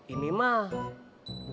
ini mah bukan puisi teh